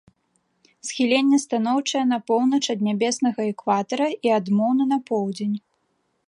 Схіленне станоўчае на поўнач ад нябеснага экватара і адмоўна на поўдзень.